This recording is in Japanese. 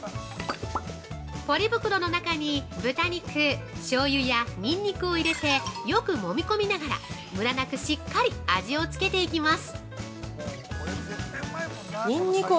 ◆ポリ袋の中に豚肉、しょうゆやニンニクを入れてよくもみ込みながらむらなくしっかり味をつけていきます。